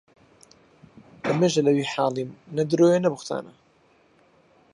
لە مێژە لە وی حاڵیم نە درۆیە نە بوختانە